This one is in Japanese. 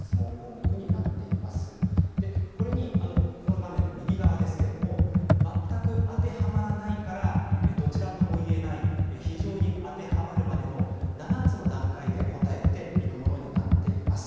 画面の右側ですけども全く当てはまらないからどちらとも言えない非常に当てはまるまでの７つの段階で答えていくものになっています。